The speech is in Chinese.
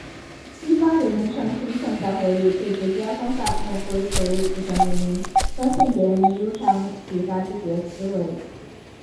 激发人们创新创造活力，最直接的方法莫过于走入不同文明，发现别人的优长，启发自己的思维。